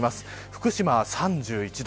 福島は３１度。